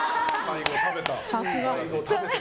さすが。